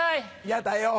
やだよ！